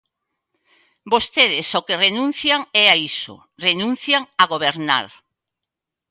Vostedes ao que renuncian é a iso, renuncian a gobernar.